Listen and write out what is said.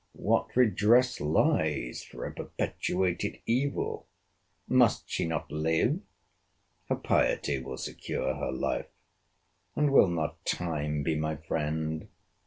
What redress lies for a perpetuated evil? Must she not live? Her piety will secure her life.—And will not time be my friend!